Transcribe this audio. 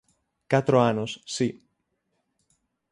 Catro anos, si.